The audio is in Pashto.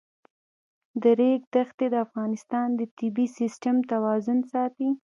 د ریګ دښتې د افغانستان د طبعي سیسټم توازن ساتي.